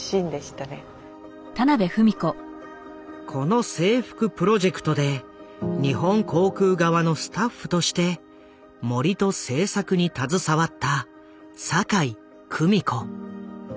この制服プロジェクトで日本航空側のスタッフとして森と制作に携わった酒井久美子。